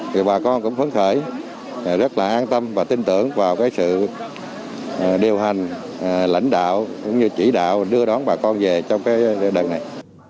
thì bà con cũng phấn khởi rất là an tâm và tin tưởng vào cái sự điều hành lãnh đạo cũng như chỉ đạo đưa đón bà con về trong cái đợt này